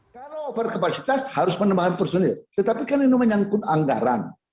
kalau overkapasitas harus penambahan personil tetapi kan ini menyangkut anggaran